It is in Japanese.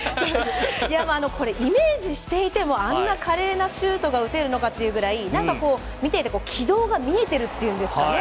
これイメージしていてもあんな華麗なシュートが打てるのかっていうぐらいなんか見てて軌道が見えてるっていうんですかね。